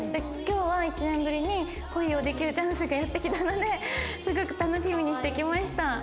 今日は１年ぶりに恋をできるチャンスがやってきたのですごく楽しみにしてきました。